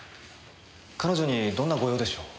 彼女にどんなご用でしょう？